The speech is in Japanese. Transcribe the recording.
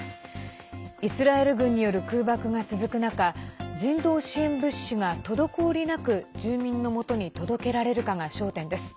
イスラエル軍による空爆が続く中人道支援物資が滞りなく住民のもとに届けられるかが焦点です。